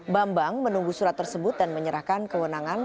bambang menunggu surat tersebut dan menyerahkan kewenangan